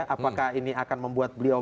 apakah ini akan membuat beliau